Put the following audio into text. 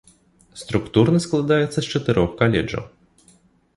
Структурна складаецца з чатырох каледжаў.